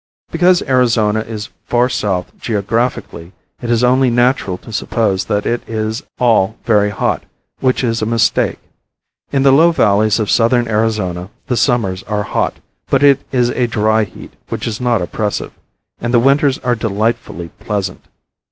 Because Arizona is far south geographically it is only natural to suppose that it is all very hot, which is a mistake. In the low valleys of southern Arizona the summers are hot, but it is a dry heat which is not oppressive, and the winters are delightfully pleasant.